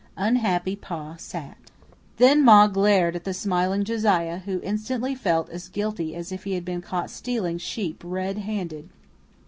Unhappy Pa sat. Then Ma glared at the smiling Josiah, who instantly felt as guilty as if he had been caught stealing sheep red handed.